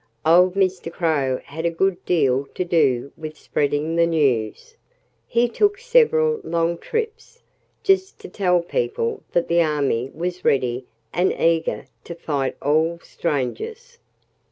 Old Mr. Crow had a good deal to do with spreading the news. He took several long trips, just to tell people that the army was ready and eager to fight all strangers.